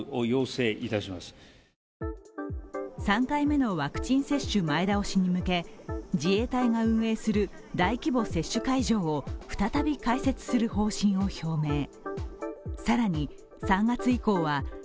３回目のワクチン接種前倒しに向け、自衛隊が運営する大規模接種会場を再び開設する方針を表明。